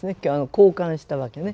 交感したわけね。